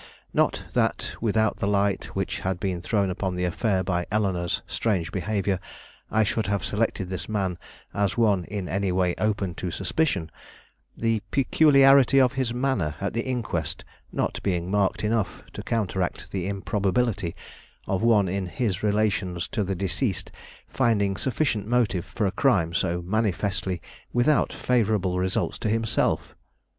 Not that, without the light which had been thrown upon the affair by Eleanore's strange behavior, I should have selected this man as one in any way open to suspicion; the peculiarity of his manner at the inquest not being marked enough to counteract the improbability of one in his relations to the deceased finding sufficient motive for a crime so manifestly without favorable results to himself.